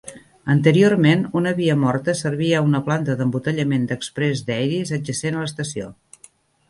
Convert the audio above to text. Anteriorment, una via morta servia a una planta d'embotellament d'Express Dairies adjacent a l'estació.